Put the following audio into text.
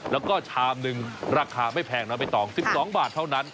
แล้วก็ชามหนึ่งราคาไม่แพงนะใบตอง๑๒บาทเท่านั้น